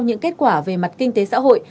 những kết quả về mặt kinh tế xã hội